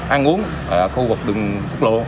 ăn uống ở khu vực đường quốc lộ